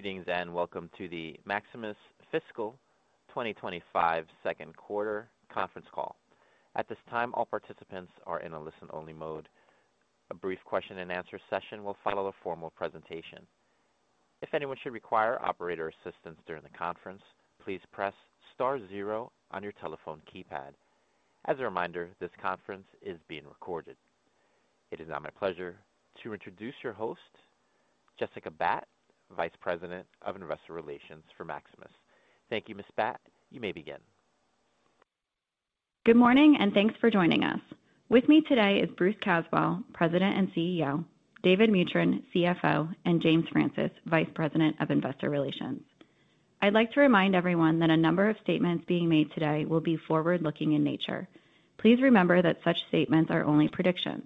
Greetings and welcome to the Maximus Fiscal 2025 Second Quarter Conference Call. At this time, all participants are in a listen-only mode. A brief question-and-answer session will follow a formal presentation. If anyone should require operator assistance during the conference, please press star zero on your telephone keypad. As a reminder, this conference is being recorded. It is now my pleasure to introduce your host, Jessica Batt, Vice President of Investor Relations for Maximus. Thank you, Ms. Batt, you may begin. Good morning and thanks for joining us. With me today is Bruce Caswell, President and CEO; David Mutryn, CFO; and James Francis, Vice President of Investor Relations. I'd like to remind everyone that a number of statements being made today will be forward-looking in nature. Please remember that such statements are only predictions.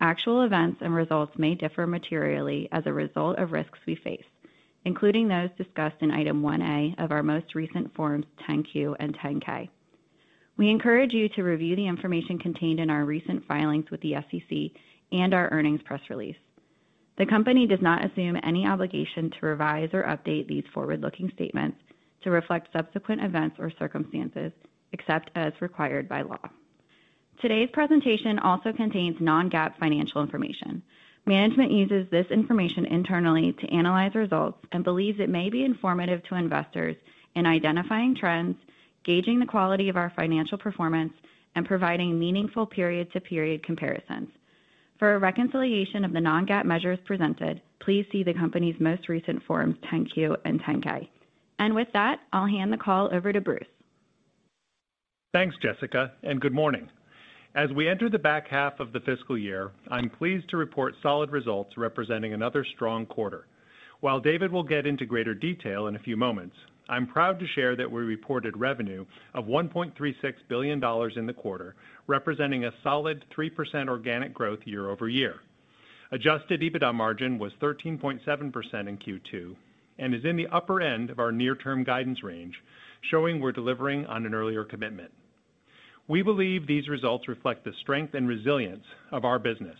Actual events and results may differ materially as a result of risks we face, including those discussed in item 1A of our most recent forms 10Q and 10K. We encourage you to review the information contained in our recent filings with the SEC and our earnings press release. The company does not assume any obligation to revise or update these forward-looking statements to reflect subsequent events or circumstances, except as required by law. Today's presentation also contains non-GAAP financial information. Management uses this information internally to analyze results and believes it may be informative to investors in identifying trends, gauging the quality of our financial performance, and providing meaningful period-to-period comparisons. For a reconciliation of the non-GAAP measures presented, please see the company's most recent forms 10-Q and 10-K. With that, I'll hand the call over to Bruce. Thanks, Jessica, and good morning. As we enter the back half of the fiscal year, I'm pleased to report solid results representing another strong quarter. While David will get into greater detail in a few moments, I'm proud to share that we reported revenue of $1.36 billion in the quarter, representing a solid 3% organic growth year over year. Adjusted EBITDA margin was 13.7% in Q2 and is in the upper end of our near-term guidance range, showing we're delivering on an earlier commitment. We believe these results reflect the strength and resilience of our business,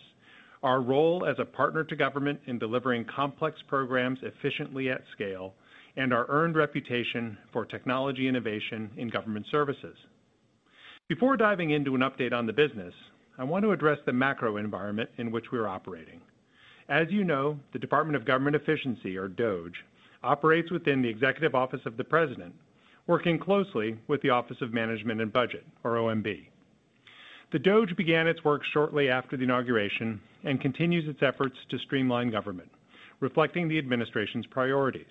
our role as a partner to government in delivering complex programs efficiently at scale, and our earned reputation for technology innovation in government services. Before diving into an update on the business, I want to address the macro environment in which we are operating. As you know, the Department of Government Efficiency, or DOGE, operates within the Executive Office of the President, working closely with the Office of Management and Budget, or OMB. The DOGE began its work shortly after the inauguration and continues its efforts to streamline government, reflecting the administration's priorities.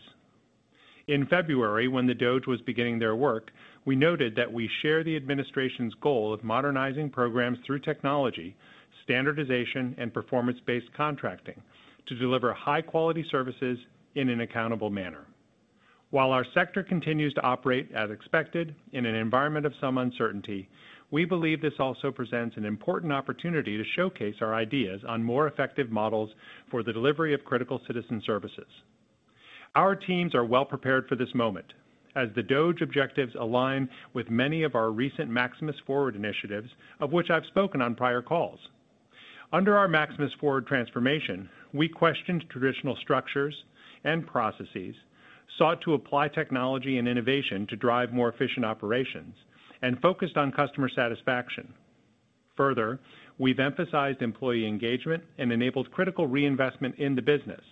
In February, when the DOGE was beginning their work, we noted that we share the administration's goal of modernizing programs through technology, standardization, and performance-based contracting to deliver high-quality services in an accountable manner. While our sector continues to operate as expected in an environment of some uncertainty, we believe this also presents an important opportunity to showcase our ideas on more effective models for the delivery of critical citizen services. Our teams are well prepared for this moment, as the DOGE objectives align with many of our recent Maximus Forward initiatives, of which I've spoken on prior calls. Under our Maximus Forward transformation, we questioned traditional structures and processes, sought to apply technology and innovation to drive more efficient operations, and focused on customer satisfaction. Further, we've emphasized employee engagement and enabled critical reinvestment in the business.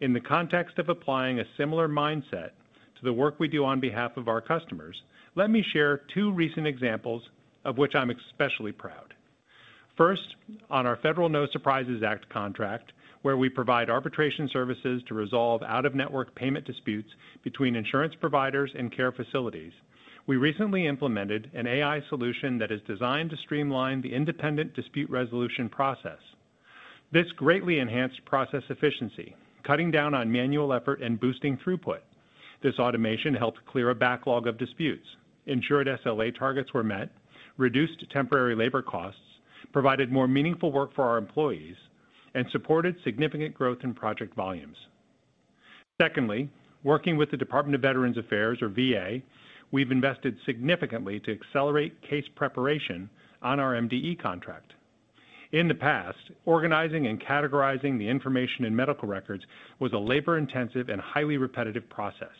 In the context of applying a similar mindset to the work we do on behalf of our customers, let me share two recent examples of which I'm especially proud. First, on our Federal No Surprises Act contract, where we provide arbitration services to resolve out-of-network payment disputes between insurance providers and care facilities, we recently implemented an AI solution that is designed to streamline the independent dispute resolution process. This greatly enhanced process efficiency, cutting down on manual effort and boosting throughput. This automation helped clear a backlog of disputes, ensured SLA targets were met, reduced temporary labor costs, provided more meaningful work for our employees, and supported significant growth in project volumes. Secondly, working with the Department of Veterans Affairs, or VA, we've invested significantly to accelerate case preparation on our MDE contract. In the past, organizing and categorizing the information in medical records was a labor-intensive and highly repetitive process,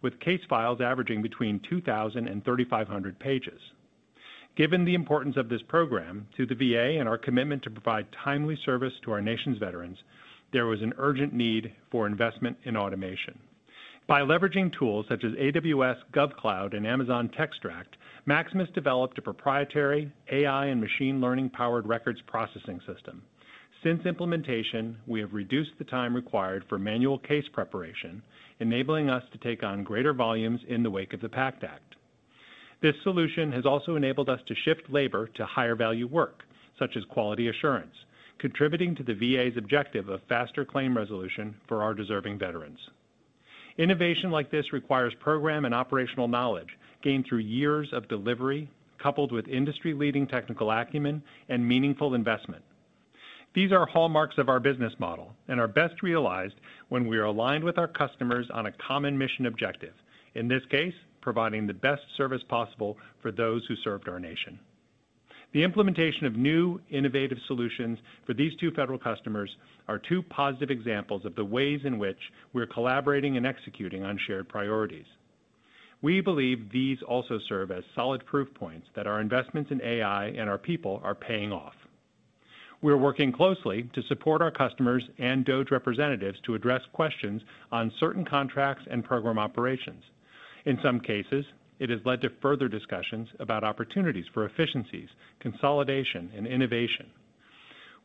with case files averaging between 2,000 and 3,500 pages. Given the importance of this program to the VA and our commitment to provide timely service to our nation's veterans, there was an urgent need for investment in automation. By leveraging tools such as AWS GovCloud and Amazon Textract, Maximus developed a proprietary AI and machine learning-powered records processing system. Since implementation, we have reduced the time required for manual case preparation, enabling us to take on greater volumes in the wake of the PACT Act. This solution has also enabled us to shift labor to higher-value work, such as quality assurance, contributing to the VA's objective of faster claim resolution for our deserving veterans. Innovation like this requires program and operational knowledge gained through years of delivery, coupled with industry-leading technical acumen and meaningful investment. These are hallmarks of our business model and are best realized when we are aligned with our customers on a common mission objective, in this case, providing the best service possible for those who served our nation. The implementation of new, innovative solutions for these two federal customers are two positive examples of the ways in which we're collaborating and executing on shared priorities. We believe these also serve as solid proof points that our investments in AI and our people are paying off. We're working closely to support our customers and DOGE representatives to address questions on certain contracts and program operations. In some cases, it has led to further discussions about opportunities for efficiencies, consolidation, and innovation.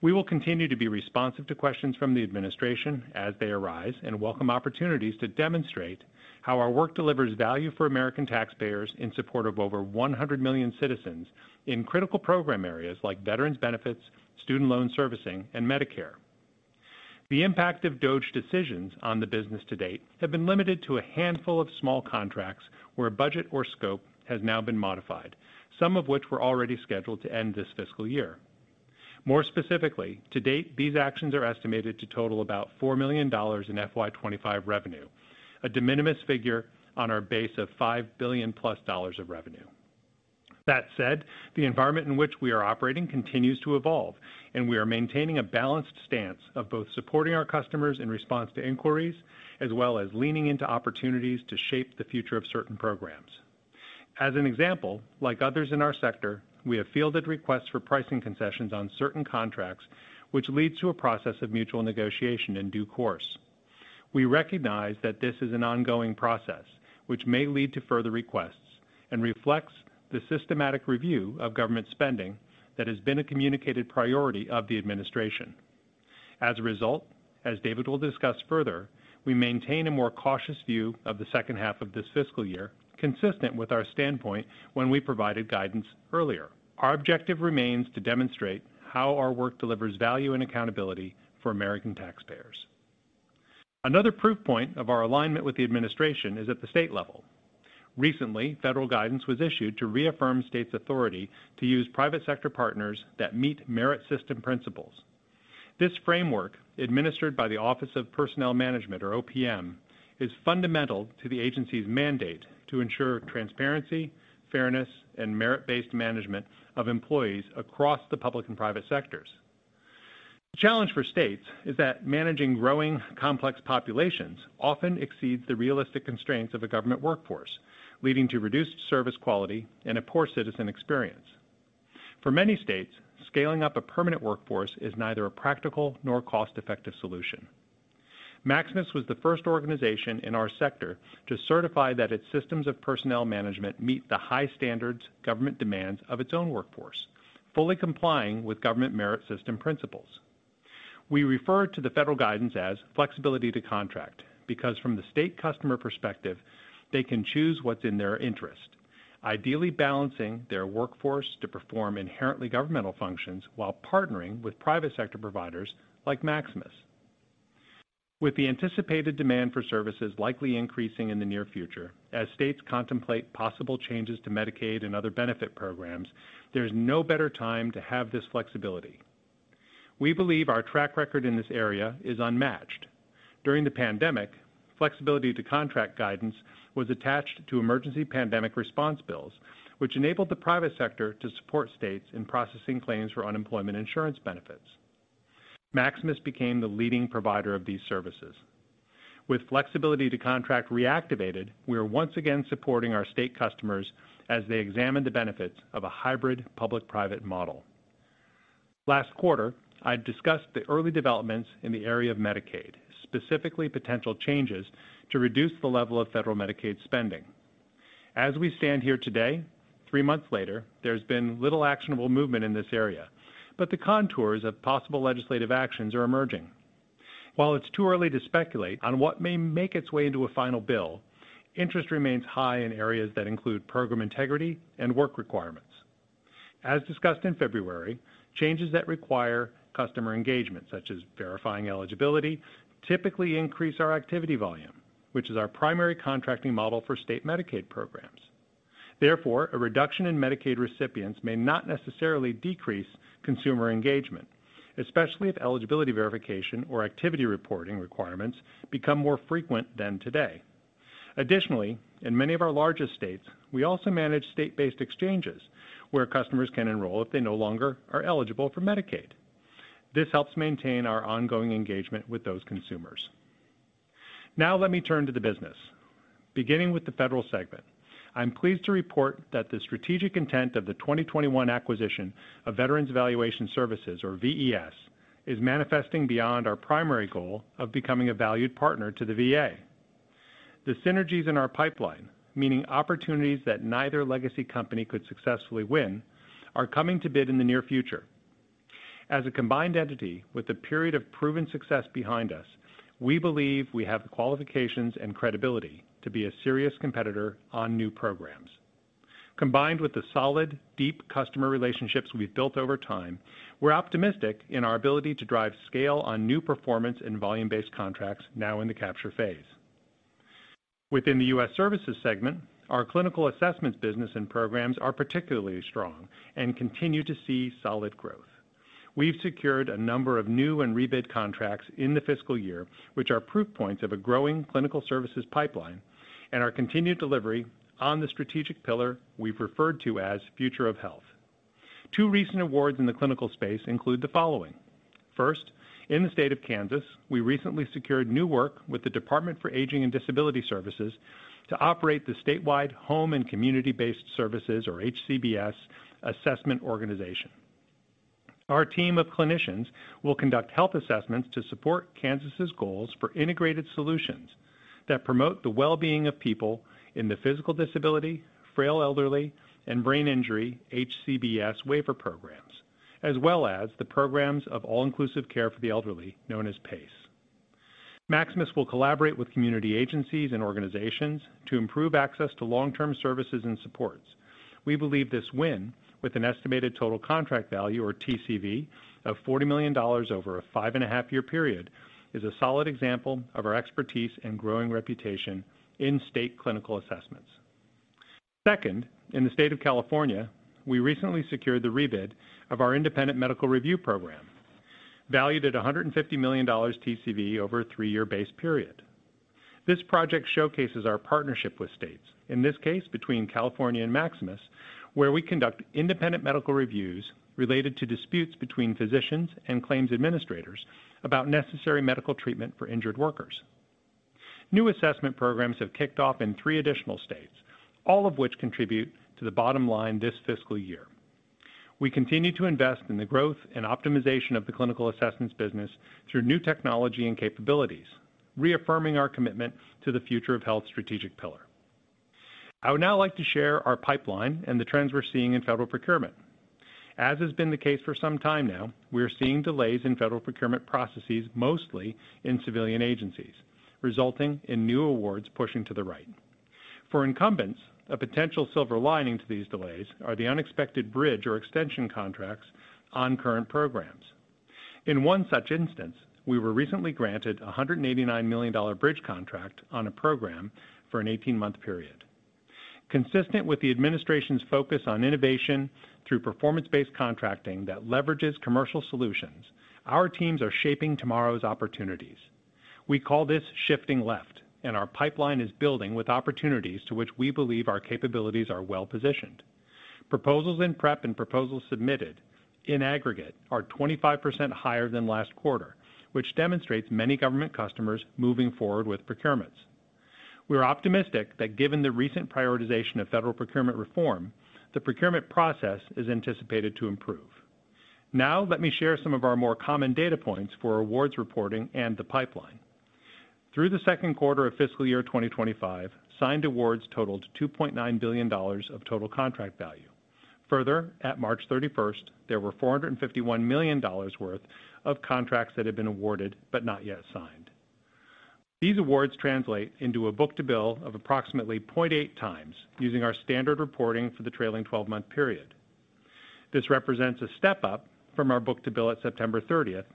We will continue to be responsive to questions from the administration as they arise and welcome opportunities to demonstrate how our work delivers value for American taxpayers in support of over 100 million citizens in critical program areas like veterans' benefits, student loan servicing, and Medicare. The impact of DOGE decisions on the business to date has been limited to a handful of small contracts where budget or scope has now been modified, some of which were already scheduled to end this fiscal year. More specifically, to date, these actions are estimated to total about $4 million in FY25 revenue, a de minimis figure on our base of $5 billion plus of revenue. That said, the environment in which we are operating continues to evolve, and we are maintaining a balanced stance of both supporting our customers in response to inquiries as well as leaning into opportunities to shape the future of certain programs. As an example, like others in our sector, we have fielded requests for pricing concessions on certain contracts, which leads to a process of mutual negotiation in due course. We recognize that this is an ongoing process, which may lead to further requests, and reflects the systematic review of government spending that has been a communicated priority of the administration. As a result, as David will discuss further, we maintain a more cautious view of the second half of this fiscal year, consistent with our standpoint when we provided guidance earlier. Our objective remains to demonstrate how our work delivers value and accountability for American taxpayers. Another proof point of our alignment with the administration is at the state level. Recently, federal guidance was issued to reaffirm states' authority to use private sector partners that meet merit system principles. This framework, administered by the Office of Personnel Management, or OPM, is fundamental to the agency's mandate to ensure transparency, fairness, and merit-based management of employees across the public and private sectors. The challenge for states is that managing growing complex populations often exceeds the realistic constraints of a government workforce, leading to reduced service quality and a poor citizen experience. For many states, scaling up a permanent workforce is neither a practical nor cost-effective solution. Maximus was the first organization in our sector to certify that its systems of personnel management meet the high standards, government demands of its own workforce, fully complying with government merit system principles. We refer to the federal guidance as flexibility to contract because, from the state customer perspective, they can choose what's in their interest, ideally balancing their workforce to perform inherently governmental functions while partnering with private sector providers like Maximus. With the anticipated demand for services likely increasing in the near future, as states contemplate possible changes to Medicaid and other benefit programs, there's no better time to have this flexibility. We believe our track record in this area is unmatched. During the pandemic, flexibility to contract guidance was attached to emergency pandemic response bills, which enabled the private sector to support states in processing claims for unemployment insurance benefits. Maximus became the leading provider of these services. With flexibility to contract reactivated, we are once again supporting our state customers as they examine the benefits of a hybrid public-private model. Last quarter, I discussed the early developments in the area of Medicaid, specifically potential changes to reduce the level of federal Medicaid spending. As we stand here today, three months later, there's been little actionable movement in this area, but the contours of possible legislative actions are emerging. While it's too early to speculate on what may make its way into a final bill, interest remains high in areas that include program integrity and work requirements. As discussed in February, changes that require customer engagement, such as verifying eligibility, typically increase our activity volume, which is our primary contracting model for state Medicaid programs. Therefore, a reduction in Medicaid recipients may not necessarily decrease consumer engagement, especially if eligibility verification or activity reporting requirements become more frequent than today. Additionally, in many of our largest states, we also manage state-based exchanges where customers can enroll if they no longer are eligible for Medicaid. This helps maintain our ongoing engagement with those consumers. Now, let me turn to the business. Beginning with the federal segment, I'm pleased to report that the strategic intent of the 2021 acquisition of Veterans Evaluation Services, or VES, is manifesting beyond our primary goal of becoming a valued partner to the VA. The synergies in our pipeline, meaning opportunities that neither legacy company could successfully win, are coming to bid in the near future. As a combined entity with a period of proven success behind us, we believe we have the qualifications and credibility to be a serious competitor on new programs. Combined with the solid, deep customer relationships we've built over time, we're optimistic in our ability to drive scale on new performance and volume-based contracts now in the capture phase. Within the U.S. services segment, our clinical assessments business and programs are particularly strong and continue to see solid growth. We've secured a number of new and rebid contracts in the fiscal year, which are proof points of a growing clinical services pipeline and our continued delivery on the strategic pillar we've referred to as future of health. Two recent awards in the clinical space include the following. First, in the state of Kansas, we recently secured new work with the Department for Aging and Disability Services to operate the statewide home and community-based services, or HCBS, assessment organization. Our team of clinicians will conduct health assessments to support Kansas's goals for integrated solutions that promote the well-being of people in the physical disability, frail elderly, and brain injury HCBS waiver programs, as well as the programs of all-inclusive care for the elderly, known as PACE. Maximus will collaborate with community agencies and organizations to improve access to long-term services and supports. We believe this win, with an estimated total contract value, or TCV, of $40 million over a five-and-a-half-year period, is a solid example of our expertise and growing reputation in state clinical assessments. Second, in the state of California, we recently secured the rebid of our independent medical review program, valued at $150 million TCV over a three-year base period. This project showcases our partnership with states, in this case between California and Maximus, where we conduct independent medical reviews related to disputes between physicians and claims administrators about necessary medical treatment for injured workers. New assessment programs have kicked off in three additional states, all of which contribute to the bottom line this fiscal year. We continue to invest in the growth and optimization of the clinical assessments business through new technology and capabilities, reaffirming our commitment to the future of health strategic pillar. I would now like to share our pipeline and the trends we're seeing in federal procurement. As has been the case for some time now, we are seeing delays in federal procurement processes, mostly in civilian agencies, resulting in new awards pushing to the right. For incumbents, a potential silver lining to these delays are the unexpected bridge or extension contracts on current programs. In one such instance, we were recently granted a $189 million bridge contract on a program for an 18-month period. Consistent with the administration's focus on innovation through performance-based contracting that leverages commercial solutions, our teams are shaping tomorrow's opportunities. We call this shifting left, and our pipeline is building with opportunities to which we believe our capabilities are well positioned. Proposals in prep and proposals submitted in aggregate are 25% higher than last quarter, which demonstrates many government customers moving forward with procurements. We're optimistic that given the recent prioritization of federal procurement reform, the procurement process is anticipated to improve. Now, let me share some of our more common data points for awards reporting and the pipeline. Through the second quarter of fiscal year 2025, signed awards totaled $2.9 billion of total contract value. Further, at March 31, there were $451 million worth of contracts that had been awarded but not yet signed. These awards translate into a book to bill of approximately 0.8 times using our standard reporting for the trailing 12-month period. This represents a step up from our book to bill at September 30th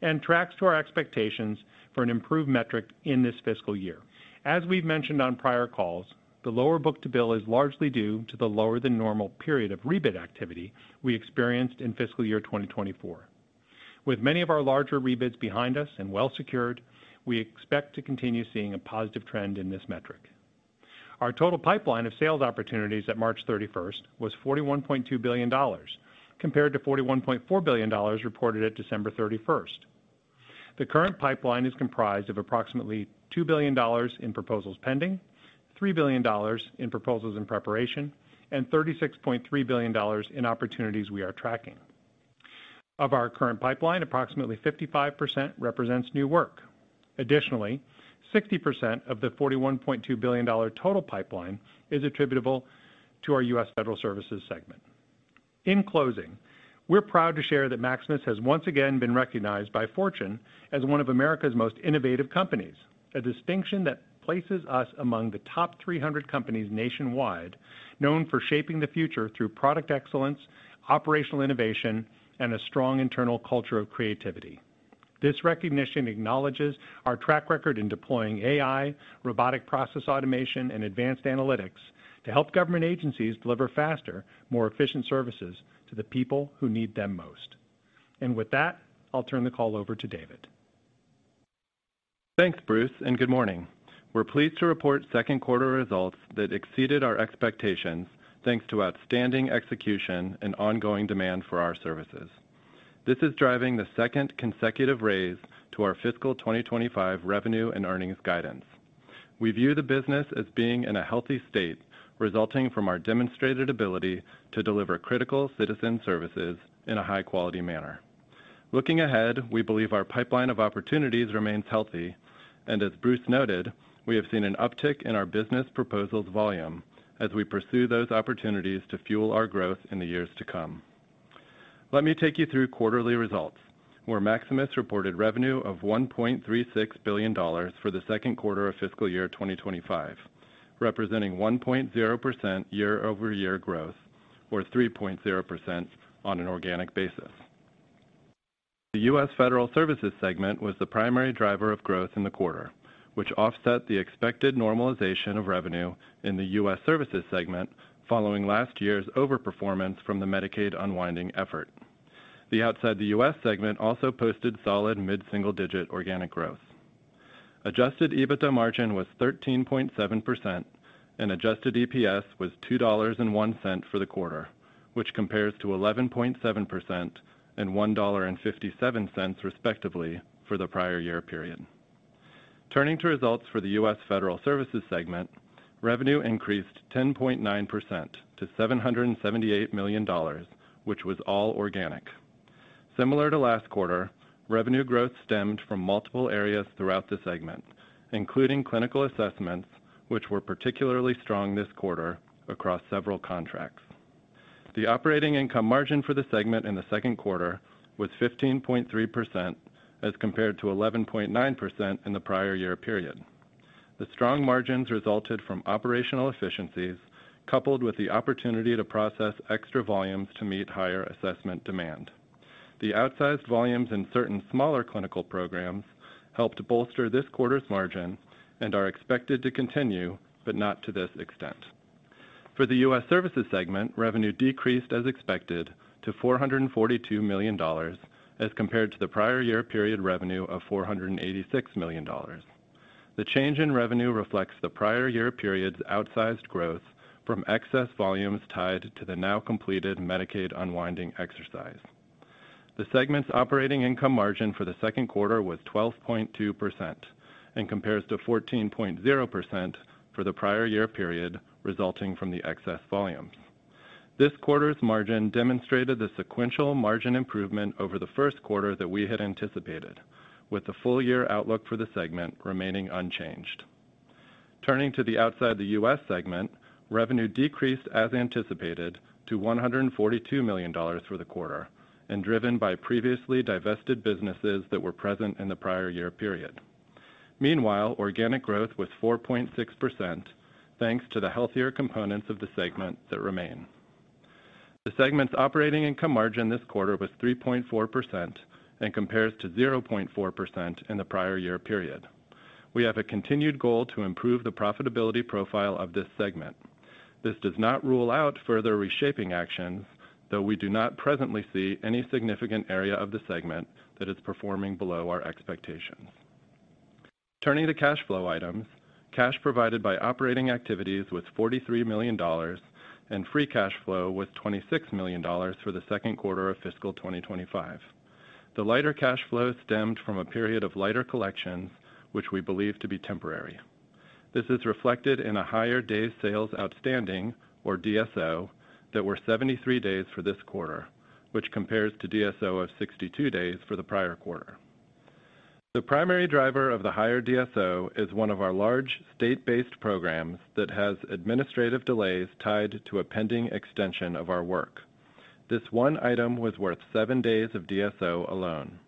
and tracks to our expectations for an improved metric in this fiscal year. As we've mentioned on prior calls, the lower book to bill is largely due to the lower-than-normal period of rebid activity we experienced in fiscal year 2024. With many of our larger rebids behind us and well secured, we expect to continue seeing a positive trend in this metric. Our total pipeline of sales opportunities at March 31 was $41.2 billion, compared to $41.4 billion reported at December 31. The current pipeline is comprised of approximately $2 billion in proposals pending, $3 billion in proposals in preparation, and $36.3 billion in opportunities we are tracking. Of our current pipeline, approximately 55% represents new work. Additionally, 60% of the $41.2 billion total pipeline is attributable to our U.S. federal services segment. In closing, we're proud to share that Maximus has once again been recognized by Fortune as one of America's most innovative companies, a distinction that places us among the top 300 companies nationwide known for shaping the future through product excellence, operational innovation, and a strong internal culture of creativity. This recognition acknowledges our track record in deploying AI, robotic process automation, and advanced analytics to help government agencies deliver faster, more efficient services to the people who need them most. With that, I'll turn the call over to David. Thanks, Bruce, and good morning. We're pleased to report second quarter results that exceeded our expectations thanks to outstanding execution and ongoing demand for our services. This is driving the second consecutive raise to our fiscal 2025 revenue and earnings guidance. We view the business as being in a healthy state, resulting from our demonstrated ability to deliver critical citizen services in a high-quality manner. Looking ahead, we believe our pipeline of opportunities remains healthy, and as Bruce noted, we have seen an uptick in our business proposals volume as we pursue those opportunities to fuel our growth in the years to come. Let me take you through quarterly results, where Maximus reported revenue of $1.36 billion for the second quarter of fiscal year 2025, representing 1.0% year-over-year growth, or 3.0% on an organic basis. The U.S. federal services segment was the primary driver of growth in the quarter, which offset the expected normalization of revenue in the U.S. services segment following last year's overperformance from the Medicaid unwinding effort. The outside-the-U.S. segment also posted solid mid-single-digit organic growth. Adjusted EBITDA margin was 13.7%, and adjusted EPS was $2.01 for the quarter, which compares to 11.7% and $1.57, respectively, for the prior year period. Turning to results for the U.S. federal services segment, revenue increased 10.9% to $778 million, which was all organic. Similar to last quarter, revenue growth stemmed from multiple areas throughout the segment, including clinical assessments, which were particularly strong this quarter across several contracts. The operating income margin for the segment in the second quarter was 15.3% as compared to 11.9% in the prior year period. The strong margins resulted from operational efficiencies coupled with the opportunity to process extra volumes to meet higher assessment demand. The outsized volumes in certain smaller clinical programs helped bolster this quarter's margin and are expected to continue, but not to this extent. For the U.S. services segment, revenue decreased as expected to $442 million as compared to the prior year period revenue of $486 million. The change in revenue reflects the prior year period's outsized growth from excess volumes tied to the now completed Medicaid unwinding exercise. The segment's operating income margin for the second quarter was 12.2% and compares to 14.0% for the prior year period resulting from the excess volumes. This quarter's margin demonstrated the sequential margin improvement over the first quarter that we had anticipated, with the full-year outlook for the segment remaining unchanged. Turning to the outside-the-U.S. segment, revenue decreased as anticipated to $142 million for the quarter and driven by previously divested businesses that were present in the prior year period. Meanwhile, organic growth was 4.6% thanks to the healthier components of the segment that remain. The segment's operating income margin this quarter was 3.4% and compares to 0.4% in the prior year period. We have a continued goal to improve the profitability profile of this segment. This does not rule out further reshaping actions, though we do not presently see any significant area of the segment that is performing below our expectations. Turning to cash flow items, cash provided by operating activities was $43 million, and free cash flow was $26 million for the second quarter of fiscal 2025. The lighter cash flow stemmed from a period of lighter collections, which we believe to be temporary. This is reflected in a higher day sales outstanding, or DSO, that were 73 days for this quarter, which compares to DSO of 62 days for the prior quarter. The primary driver of the higher DSO is one of our large state-based programs that has administrative delays tied to a pending extension of our work. This one item was worth seven days of DSO alone.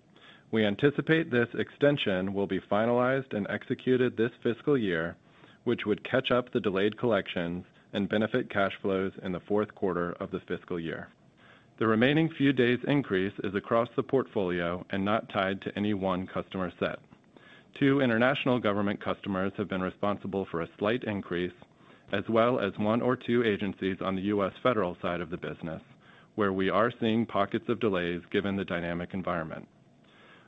We anticipate this extension will be finalized and executed this fiscal year, which would catch up the delayed collections and benefit cash flows in the fourth quarter of the fiscal year. The remaining few days' increase is across the portfolio and not tied to any one customer set. Two international government customers have been responsible for a slight increase, as well as one or two agencies on the U.S. federal side of the business, where we are seeing pockets of delays given the dynamic environment.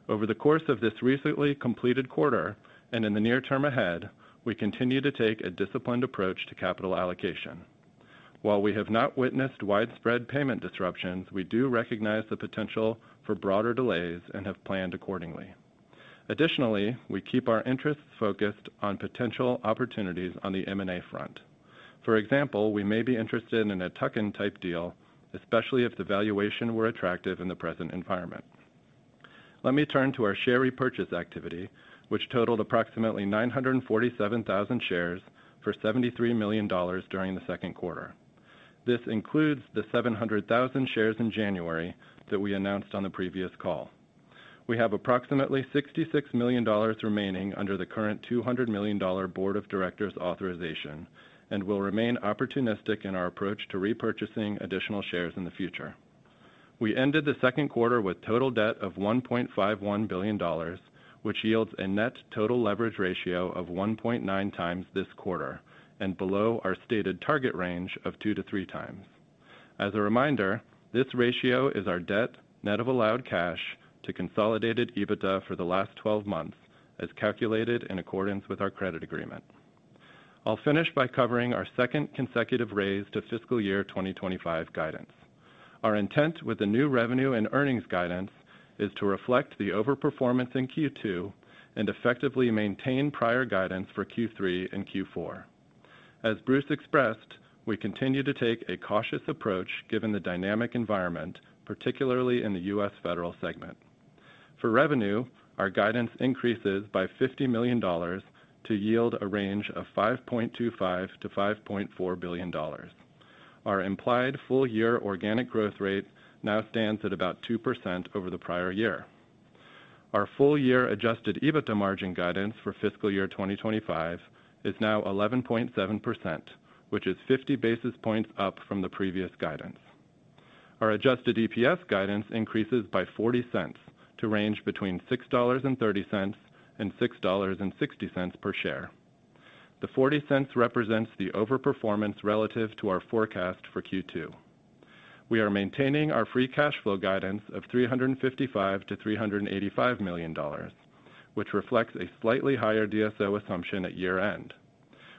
Over the course of this recently completed quarter and in the near term ahead, we continue to take a disciplined approach to capital allocation. While we have not witnessed widespread payment disruptions, we do recognize the potential for broader delays and have planned accordingly. Additionally, we keep our interests focused on potential opportunities on the M&A front. For example, we may be interested in a tuck-in type deal, especially if the valuation were attractive in the present environment. Let me turn to our share repurchase activity, which totaled approximately 947,000 shares for $73 million during the second quarter. This includes the 700,000 shares in January that we announced on the previous call. We have approximately $66 million remaining under the current $200 million board of directors authorization and will remain opportunistic in our approach to repurchasing additional shares in the future. We ended the second quarter with total debt of $1.51 billion, which yields a net total leverage ratio of 1.9 times this quarter and below our stated target range of two to three times. As a reminder, this ratio is our debt, net of allowed cash, to consolidated EBITDA for the last 12 months, as calculated in accordance with our credit agreement. I'll finish by covering our second consecutive raise to fiscal year 2025 guidance. Our intent with the new revenue and earnings guidance is to reflect the overperformance in Q2 and effectively maintain prior guidance for Q3 and Q4. As Bruce expressed, we continue to take a cautious approach given the dynamic environment, particularly in the U.S. federal segment. For revenue, our guidance increases by $50 million to yield a range of $5.25 billion-$5.4 billion. Our implied full-year organic growth rate now stands at about 2% over the prior year. Our full-year adjusted EBITDA margin guidance for fiscal year 2025 is now 11.7%, which is 50 basis points up from the previous guidance. Our adjusted EPS guidance increases by $0.40 to range between $6.30 and $6.60 per share. The $0.40 represents the overperformance relative to our forecast for Q2. We are maintaining our free cash flow guidance of $355 million-$385 million, which reflects a slightly higher DSO assumption at year-end.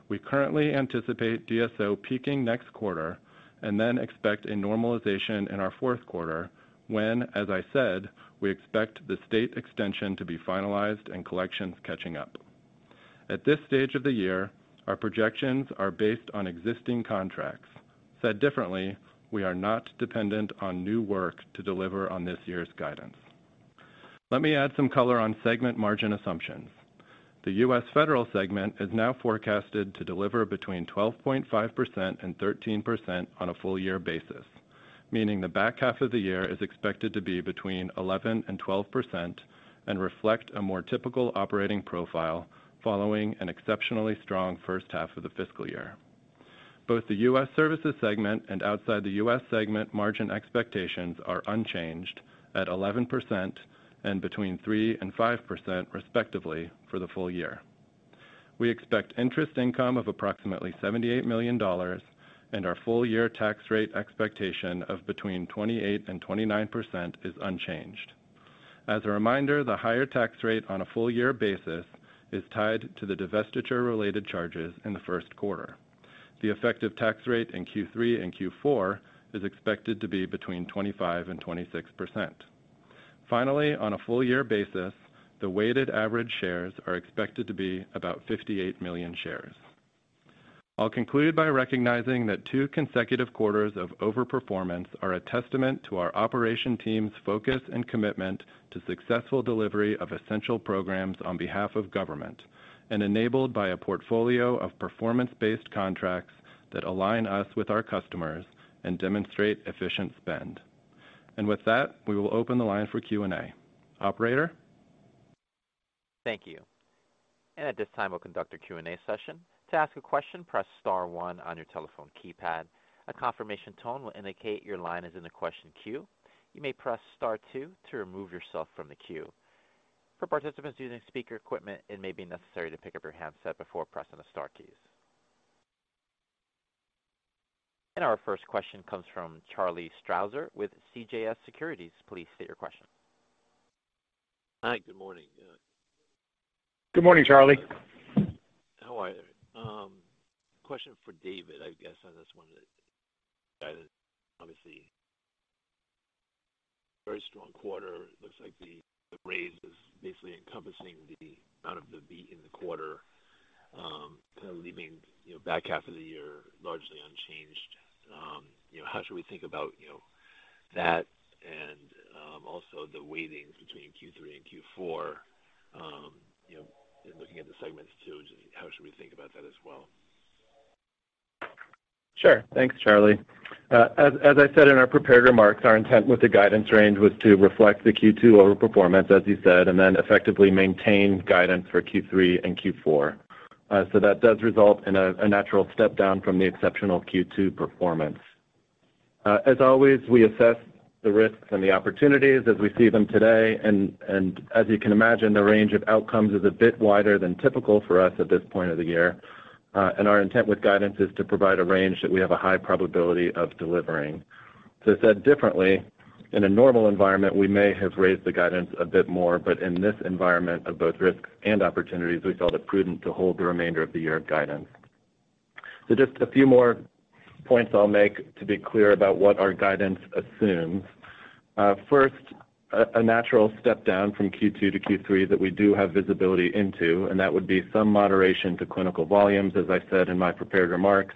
We currently anticipate DSO peaking next quarter and then expect a normalization in our fourth quarter when, as I said, we expect the state extension to be finalized and collections catching up. At this stage of the year, our projections are based on existing contracts. Said differently, we are not dependent on new work to deliver on this year's guidance. Let me add some color on segment margin assumptions. The U.S. federal segment is now forecasted to deliver between 12.5% and 13% on a full-year basis, meaning the back half of the year is expected to be between 11% and 12% and reflect a more typical operating profile following an exceptionally strong first half of the fiscal year. Both the U.S. services segment and outside-the-U.S. segment margin expectations are unchanged at 11% and between 3% and 5%, respectively, for the full year. We expect interest income of approximately $78 million, and our full-year tax rate expectation of between 28% and 29% is unchanged. As a reminder, the higher tax rate on a full-year basis is tied to the divestiture-related charges in the first quarter. The effective tax rate in Q3 and Q4 is expected to be between 25% and 26%. Finally, on a full-year basis, the weighted average shares are expected to be about 58 million shares. I will conclude by recognizing that two consecutive quarters of overperformance are a testament to our operation team's focus and commitment to successful delivery of essential programs on behalf of government and enabled by a portfolio of performance-based contracts that align us with our customers and demonstrate efficient spend. With that, we will open the line for Q&A. Operator? Thank you. At this time, we will conduct a Q&A session. To ask a question, press star one on your telephone keypad. A confirmation tone will indicate your line is in the question queue. You may press star two to remove yourself from the queue. For participants using speaker equipment, it may be necessary to pick up your handset before pressing the star keys. Our first question comes from Charlie Strauzer with CJS Securities. Please state your question. Hi. Good morning. Good morning, Charlie. How are you? Question for David, I guess, on this one. Obviously, very strong quarter. It looks like the raise is basically encompassing the amount of the beat in the quarter, kind of leaving the back half of the year largely unchanged. How should we think about that and also the weightings between Q3 and Q4? And looking at the segments, too, just how should we think about that as well? Sure. Thanks, Charlie. As I said in our prepared remarks, our intent with the guidance range was to reflect the Q2 overperformance, as you said, and then effectively maintain guidance for Q3 and Q4. That does result in a natural step down from the exceptional Q2 performance. As always, we assess the risks and the opportunities as we see them today. As you can imagine, the range of outcomes is a bit wider than typical for us at this point of the year. Our intent with guidance is to provide a range that we have a high probability of delivering. To set differently, in a normal environment, we may have raised the guidance a bit more, but in this environment of both risks and opportunities, we felt it prudent to hold the remainder of the year of guidance. Just a few more points I'll make to be clear about what our guidance assumes. First, a natural step down from Q2 to Q3 that we do have visibility into, and that would be some moderation to clinical volumes, as I said in my prepared remarks.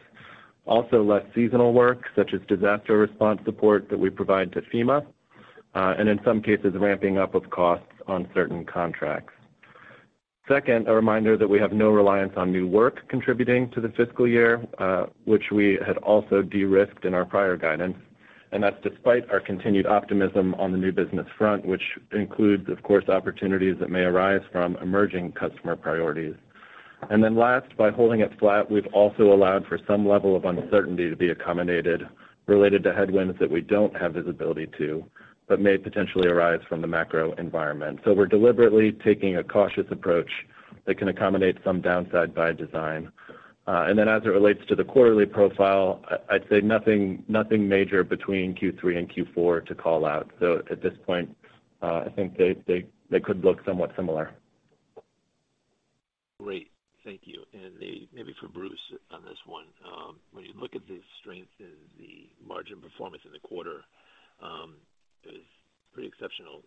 Also, less seasonal work, such as disaster response support that we provide to FEMA, and in some cases, ramping up of costs on certain contracts. Second, a reminder that we have no reliance on new work contributing to the fiscal year, which we had also de-risked in our prior guidance. That's despite our continued optimism on the new business front, which includes, of course, opportunities that may arise from emerging customer priorities. Last, by holding it flat, we've also allowed for some level of uncertainty to be accommodated related to headwinds that we don't have visibility to, but may potentially arise from the macro environment. We're deliberately taking a cautious approach that can accommodate some downside by design. As it relates to the quarterly profile, I'd say nothing major between Q3 and Q4 to call out. At this point, I think they could look somewhat similar. Great. Thank you. Maybe for Bruce on this one, when you look at the strength in the margin performance in the quarter, it was pretty exceptional.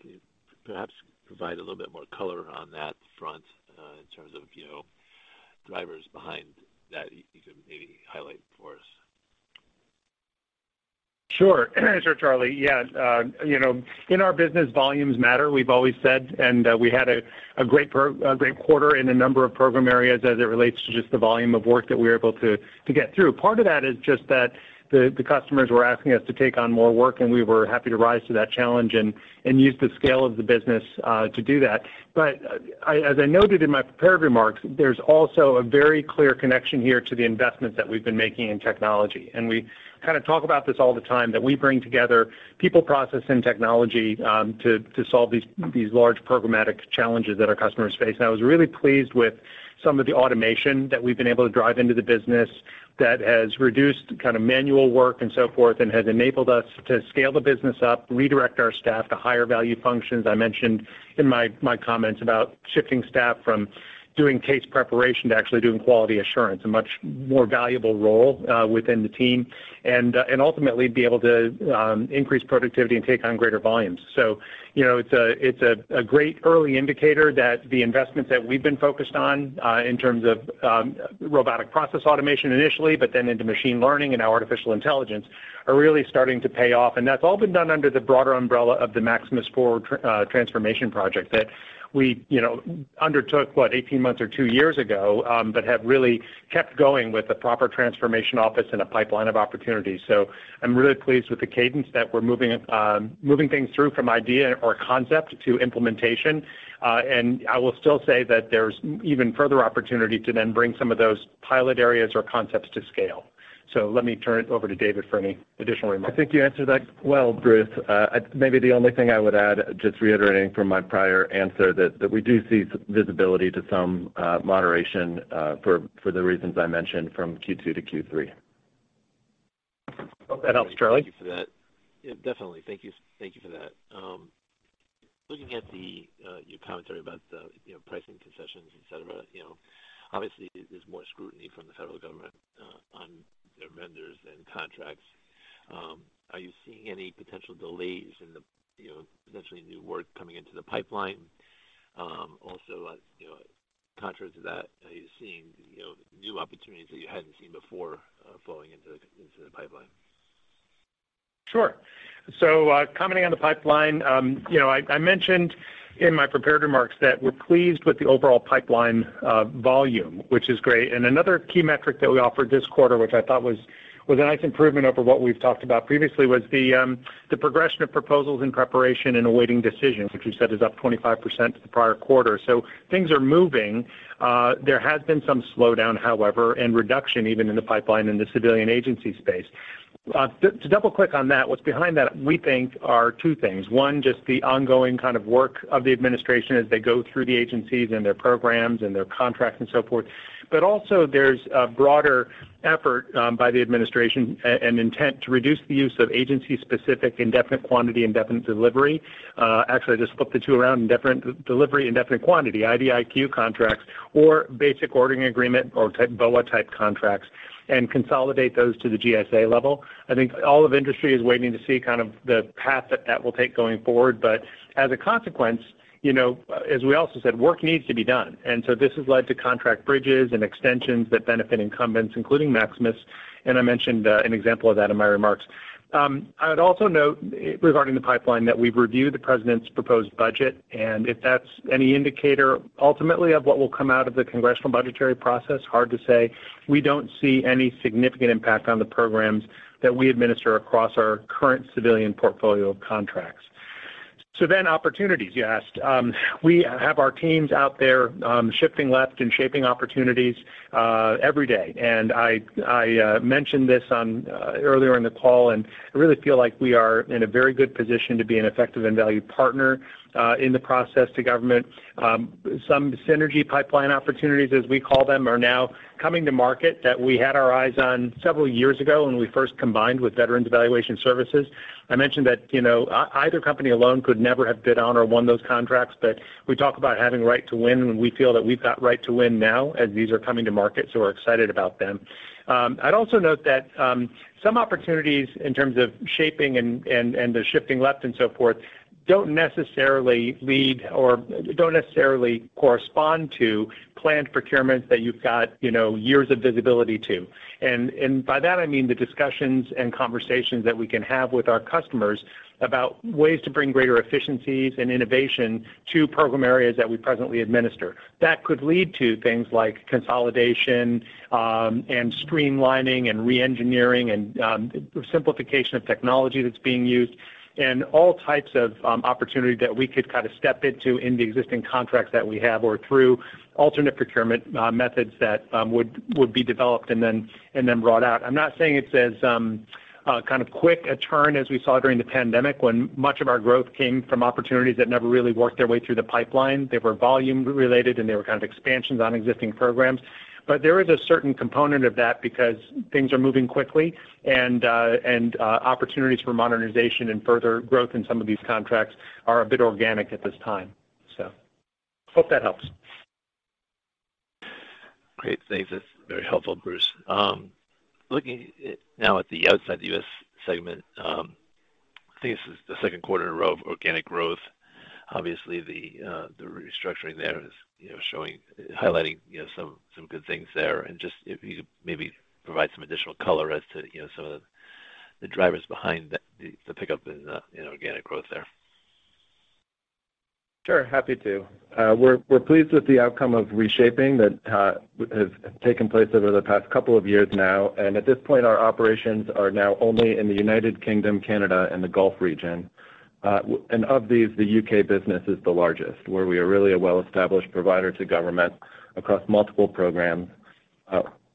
Can you perhaps provide a little bit more color on that front in terms of drivers behind that you could maybe highlight for us? Sure. Sure, Charlie. Yeah. In our business, volumes matter, we've always said, and we had a great quarter in a number of program areas as it relates to just the volume of work that we were able to get through. Part of that is just that the customers were asking us to take on more work, and we were happy to rise to that challenge and use the scale of the business to do that. As I noted in my prepared remarks, there's also a very clear connection here to the investments that we've been making in technology. We kind of talk about this all the time that we bring together people, process, and technology to solve these large programmatic challenges that our customers face. I was really pleased with some of the automation that we've been able to drive into the business that has reduced kind of manual work and so forth and has enabled us to scale the business up, redirect our staff to higher-value functions. I mentioned in my comments about shifting staff from doing case preparation to actually doing quality assurance, a much more valuable role within the team, and ultimately be able to increase productivity and take on greater volumes. It is a great early indicator that the investments that we've been focused on in terms of robotic process automation initially, but then into machine learning and now artificial intelligence are really starting to pay off. That's all been done under the broader umbrella of the Maximus Ford transformation project that we undertook, what, 18 months or two years ago, but have really kept going with a proper transformation office and a pipeline of opportunities. I'm really pleased with the cadence that we're moving things through from idea or concept to implementation. I will still say that there's even further opportunity to then bring some of those pilot areas or concepts to scale. Let me turn it over to David for any additional remarks. I think you answered that well, Bruce. Maybe the only thing I would add, just reiterating from my prior answer, is that we do see visibility to some moderation for the reasons I mentioned from Q2 to Q3. Hope that helps, Charlie. Thank you for that. Definitely. Thank you for that. Looking at your commentary about the pricing concessions, etc., obviously, there's more scrutiny from the federal government on their vendors and contracts. Are you seeing any potential delays in the potentially new work coming into the pipeline? Also, contrary to that, are you seeing new opportunities that you hadn't seen before flowing into the pipeline? Sure. Commenting on the pipeline, I mentioned in my prepared remarks that we're pleased with the overall pipeline volume, which is great. Another key metric that we offered this quarter, which I thought was a nice improvement over what we've talked about previously, was the progression of proposals in preparation and awaiting decision, which we said is up 25% to the prior quarter. Things are moving. There has been some slowdown, however, and reduction even in the pipeline in the civilian agency space. To double-click on that, what's behind that, we think, are two things. One, just the ongoing kind of work of the administration as they go through the agencies and their programs and their contracts and so forth. Also, there's a broader effort by the administration and intent to reduce the use of agency-specific indefinite delivery, indefinite quantity, IDIQ contracts, or basic ordering agreement or BOA-type contracts, and consolidate those to the GSA level. I think all of industry is waiting to see kind of the path that that will take going forward. As a consequence, as we also said, work needs to be done. This has led to contract bridges and extensions that benefit incumbents, including Maximus. I mentioned an example of that in my remarks. I would also note regarding the pipeline that we've reviewed the president's proposed budget. If that's any indicator ultimately of what will come out of the congressional budgetary process, hard to say. We don't see any significant impact on the programs that we administer across our current civilian portfolio of contracts. Opportunities, you asked. We have our teams out there shifting left and shaping opportunities every day. I mentioned this earlier in the call, and I really feel like we are in a very good position to be an effective and valued partner in the process to government. Some synergy pipeline opportunities, as we call them, are now coming to market that we had our eyes on several years ago when we first combined with Veterans Evaluation Services. I mentioned that either company alone could never have bid on or won those contracts, but we talk about having right to win, and we feel that we've got right to win now as these are coming to market, so we're excited about them. I'd also note that some opportunities in terms of shaping and the shifting left and so forth don't necessarily lead or don't necessarily correspond to planned procurements that you've got years of visibility to. And by that, I mean the discussions and conversations that we can have with our customers about ways to bring greater efficiencies and innovation to program areas that we presently administer. That could lead to things like consolidation and streamlining and re-engineering and simplification of technology that's being used, and all types of opportunity that we could kind of step into in the existing contracts that we have or through alternate procurement methods that would be developed and then brought out. I'm not saying it's as kind of quick a turn as we saw during the pandemic when much of our growth came from opportunities that never really worked their way through the pipeline. They were volume-related, and they were kind of expansions on existing programs. There is a certain component of that because things are moving quickly, and opportunities for modernization and further growth in some of these contracts are a bit organic at this time. Hope that helps. Great. Thanks. That's very helpful, Bruce. Looking now at the outside the U.S. segment, I think this is the second quarter in a row of organic growth. Obviously, the restructuring there is highlighting some good things there. If you could maybe provide some additional color as to some of the drivers behind the pickup in organic growth there. Sure. Happy to. We're pleased with the outcome of reshaping that has taken place over the past couple of years now. At this point, our operations are now only in the United Kingdom, Canada, and the Gulf region. Of these, the U.K. business is the largest, where we are really a well-established provider to government across multiple programs.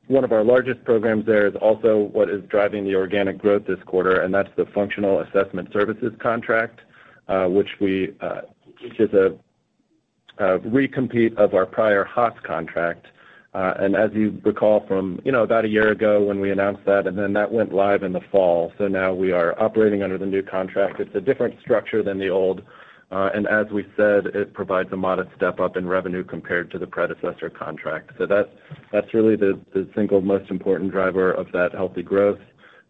One of our largest programs there is also what is driving the organic growth this quarter, and that's the Functional Assessment Services contract, which is a re-compete of our prior HOSS contract. As you recall from about a year ago when we announced that, and then that went live in the fall. Now we are operating under the new contract. It is a different structure than the old. As we said, it provides a modest step up in revenue compared to the predecessor contract. That is really the single most important driver of that healthy growth.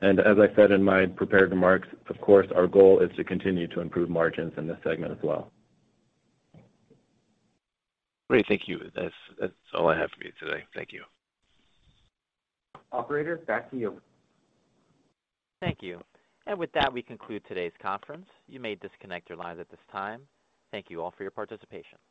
As I said in my prepared remarks, of course, our goal is to continue to improve margins in this segment as well. Great. Thank you. That is all I have for you today. Thank you. Operator, back to you. Thank you. With that, we conclude today's conference. You may disconnect your lines at this time. Thank you all for your participation.